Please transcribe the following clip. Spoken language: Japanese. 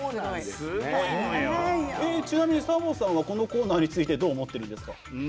ちなみにサボさんはこのコーナーについてはどう思ってるんですか？